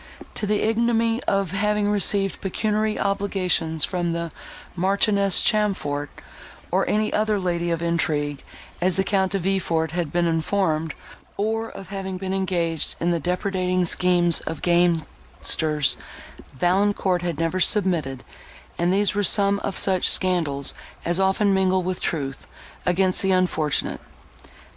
To the ignominy of having received pecuniary obligations from the Marchioness Chamfort, or any other lady of intrigue, as the Count De Villefort had been informed, or of having been engaged in the depredating schemes of gamesters, Valancourt had never submitted; and these were some of such scandals as often mingle with truth, against the unfortunate.